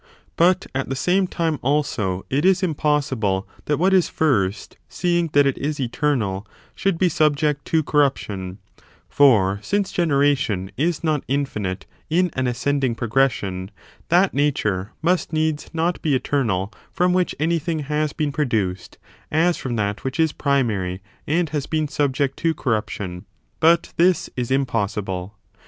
But at the same time, also, it is impossible, that vrhat is first, seeing that it is eternal, should be subject to corruption; for since generation is not infinite in an ascending progression, that nature must needs not be eternal from which anything has been produced as from that which is primary, and has been subject to corrup tion ; but this is impossible.